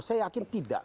saya yakin tidak